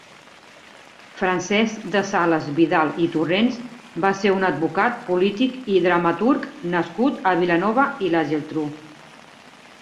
Francesc de Sales Vidal i Torrents va ser un advocat, polític i dramaturg nascut a Vilanova i la Geltrú.